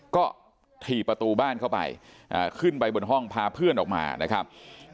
ก็ถี่ประตูบ้านเข้าไปขึ้นไปบนห้องพาเพื่อนออกมานะครับ